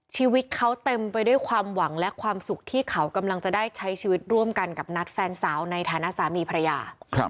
ชีวิตเขาเต็มไปด้วยความหวังและความสุขที่เขากำลังจะได้ใช้ชีวิตร่วมกันกับนัทแฟนสาวในฐานะสามีภรรยา